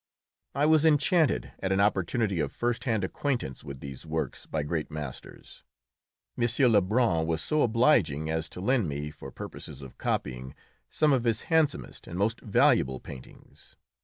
I was enchanted at an opportunity of first hand acquaintance with these works by great masters. M. Lebrun was so obliging as to lend me, for purposes of copying, some of his handsomest and most valuable paintings.